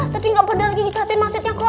tadi gak bener gigi jatuhin maksudnya kok